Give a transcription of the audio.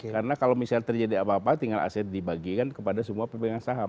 karena kalau misalnya terjadi apa apa tinggal aset dibagikan kepada semua pemegang saham